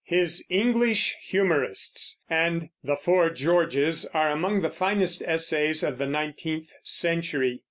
His English Humorists and The Four Georges are among the finest essays of the nineteenth century.